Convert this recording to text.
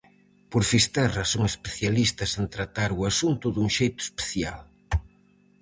Por Fisterra son especialistas en tratar o asunto dun xeito especial.